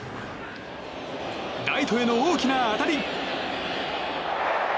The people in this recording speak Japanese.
ライトへの大きな当たり。